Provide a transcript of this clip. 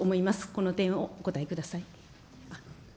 この点をお答えください。